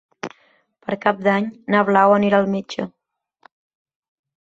Per Cap d'Any na Blau anirà al metge.